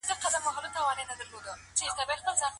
هغه د انسان د تلپاتې ستونزو انځورګر و.